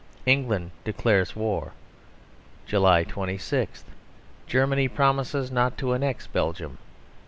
England declares war. July 26. Germany promises not to annex Belgium.